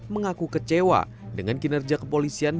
mengaku kecewa dengan kinerja kepolisian